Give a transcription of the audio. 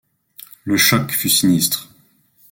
Le choc fut sinistre.